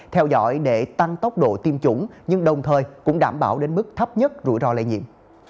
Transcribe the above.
theo dõi để tăng tốc độ tiêm chủng nhưng đồng thời cũng đảm bảo đến mức thấp nhất rủi ro lây nhiễm